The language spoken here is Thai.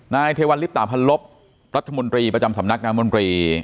เทวัลลิปตาพันลบรัฐมนตรีประจำสำนักนามนตรี